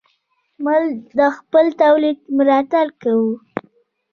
موږ د خپل تولید ملاتړ کوو.